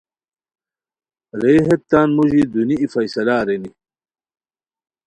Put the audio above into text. رے ہیت تان موژی دونی ای فیصلہ ارینی